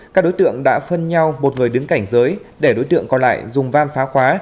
các đối tượng đã phân nhau một người đứng cảnh giới để đối tượng còn lại dùng vam phá khóa